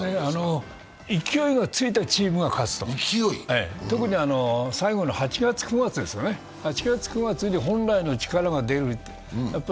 勢いがついたチームが勝つと特に最後の８月、９月に本来の力が出る。